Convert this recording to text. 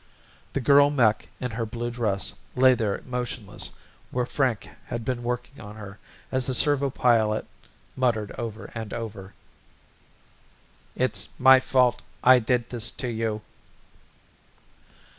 The girl mech, in her blue dress, lay there motionless where Frank had been working on her as the servo pilot muttered over and over, "It's my fault, I did this to you."